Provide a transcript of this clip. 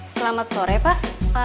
selamat sore pak